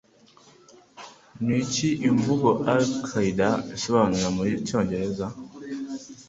Niki Imvugo Al Qaida isobanura mu cyongereza